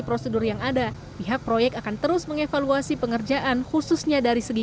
prosedur yang ada pihak proyek akan terus mengevaluasi pengerjaan khususnya dari segi